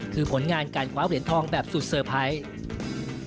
คือผลงานการคว้าเหรียญทองแบบสุดเซอร์ไพรส์